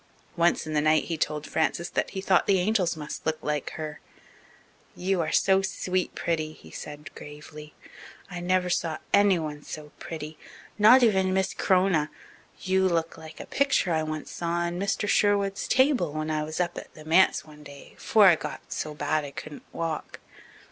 Once in the night he told Frances that he thought the angels must look like her. "You are so sweet pretty," he said gravely. "I never saw anyone so pretty, not even Miss C'rona. You look like a picture I once saw on Mr. Sherwood's table when I was up at the manse one day 'fore I got so bad I couldn't walk.